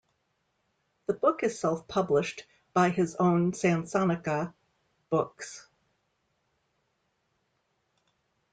The book is self-published by his own Sansonica Books.